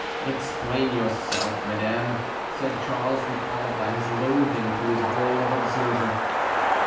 "Explain yourself, madame," said Charles, recalled by his loathing to his rôle of observer.